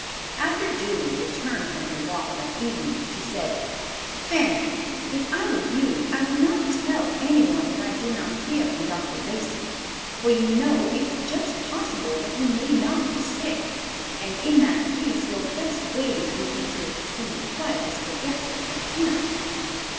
After Julia returned from her walk that evening she said, "Fanny, if I were you I would not tell any one that I did not hear from Dr. Lacey, for you know it's just possible that he may not be sick, and in that case your best way would be to seem quite as forgetful of him."